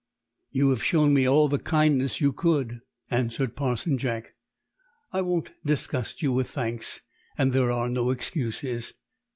"You have shown me all the kindness you could," answered Parson Jack. "I won't disgust you with thanks, and there are no excuses."